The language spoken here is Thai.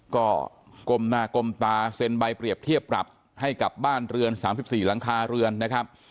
ก็ก้มหน้าก้มตาเซ็นใบเปรียบเทียบปรับให้กับบ้านเรือน๓๔หลังคาเรือนนะครับ